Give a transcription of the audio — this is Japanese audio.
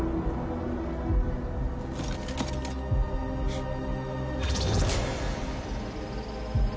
フッ。